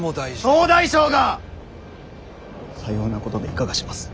総大将がさようなことでいかがします。